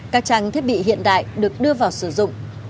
các trang thiết bị hiện đại được đưa vào sử dụng